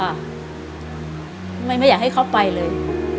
ทำไมไม่อยากให้เขาไปเลย